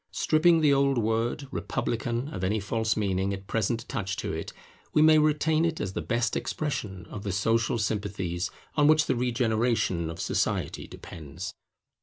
Stripping the old word Republican of any false meaning at present attached to it, we may retain it as the best expression of the social sympathies on which the regeneration of society depends.